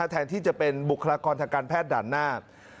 แทนที่จะเป็นบุคลากรทางการแพทย์ด่านหน้า